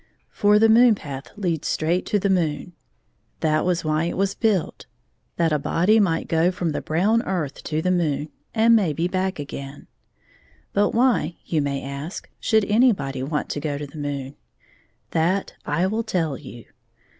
For the mx)on path leads straight to the moon. That was why it was built — that a body might 2 go from the brown earth to the mooUy and maybe back again. But why J you may a>sky should anybody want to go to the moon ? That I will tell you.